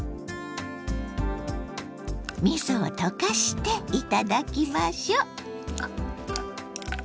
みそを溶かして頂きましょう！